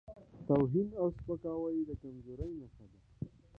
توهین او سپکاوی د کمزورۍ نښه ده.